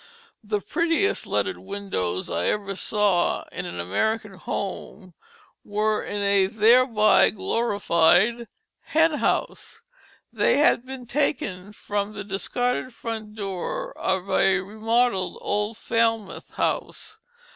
The prettiest leaded windows I ever saw in an American home were in a thereby glorified hen house. They had been taken from the discarded front door of a remodelled old Falmouth house.